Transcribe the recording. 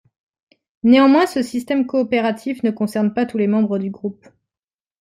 Néanmoins, ce système coopératif ne concerne pas tous les membres du groupe.